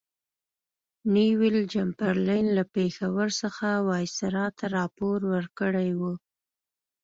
نیویل چمبرلین له پېښور څخه وایسرا ته راپور ورکړی وو.